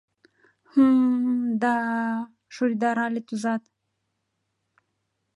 — Хм-м, да-а, — шуйдарале Тузат.